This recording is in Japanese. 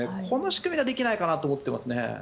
この仕組みができないかなと思っていますね。